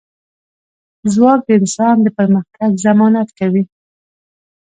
ځواک د انسان د پرمختګ ضمانت کوي.